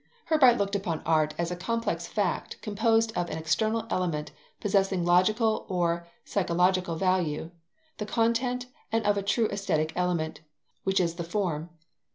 Herbart looked upon art as a complex fact, composed of an external element possessing logical or psychological value, the content, and of a true aesthetic element, which is the form.